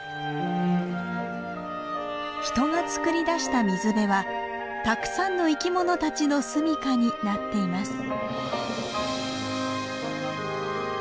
人がつくり出した水辺はたくさんの生き物たちの住みかになっています。